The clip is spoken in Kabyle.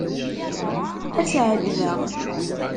Ad as-ɛejbeɣ.